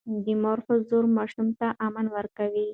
د مور حضور ماشوم ته امن ورکوي.